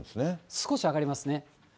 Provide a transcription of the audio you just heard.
少し上がりますね。